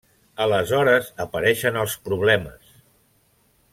Aleshores apareixen els problemes.